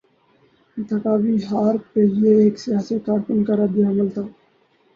انتخابی ہار پر یہ ایک سیاسی کارکن کا رد عمل تھا۔